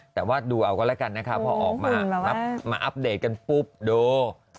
แต่ว่าดูเอาก็แล้วกันนะคะพอออกมามาอัปเดตกันปุ๊บดู